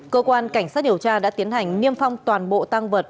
cơ quan cảnh sát điều tra đã tiến hành niêm phong toàn bộ tăng vật